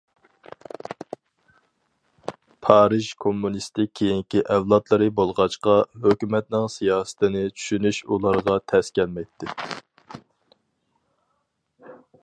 پارىژ كوممۇنىستىك كېيىنكى ئەۋلادلىرى بولغاچقا، ھۆكۈمەتنىڭ سىياسىتىنى چۈشىنىش ئۇلارغا تەس كەلمەيتتى.